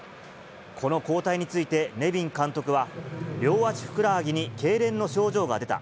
この交代について、ネビン監督は、両足ふくらはぎにけいれんの症状が出た。